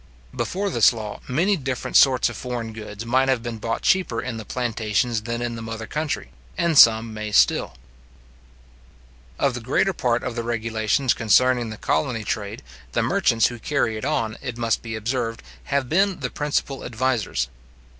Before this law, many different sorts of foreign goods might have been bought cheaper in the plantations than in the mother country, and some may still. Of the greater part of the regulations concerning the colony trade, the merchants who carry it on, it must be observed, have been the principal advisers.